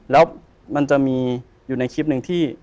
แล้วมันจะมีอยู่ในคลิปหนึ่งที่